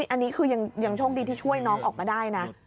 อันนี้คือยังโชคดีที่ช่วยน้องออกมาได้นะ